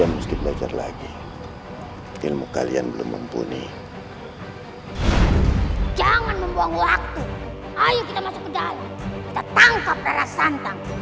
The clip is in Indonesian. apa yang mereka lakukan